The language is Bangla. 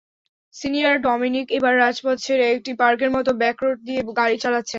সিনিয়র ডমিনিক এবার রাজপথ ছেড়ে একটি পার্কের মতো ব্যাকরোড দিয়ে গাড়ি চালাচ্ছেন।